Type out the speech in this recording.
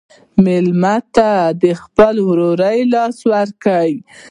مېلمه ته د خپل ورور لاس ورکړه.